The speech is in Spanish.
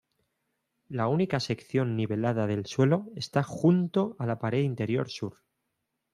La única sección nivelada del suelo está junto a la pared interior sur.